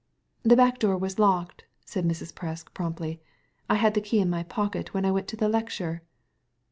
"The back door was locked," said Mrs. Presk, promptly. "I had the key in my pocket when I went to the lecture."